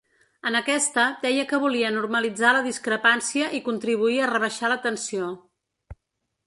En aquesta, deia que volia normalitzar la discrepància i contribuir a rebaixar la tensió.